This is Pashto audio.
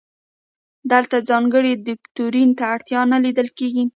دلته ځانګړي دوکتورین ته اړتیا نه لیدل کیږي.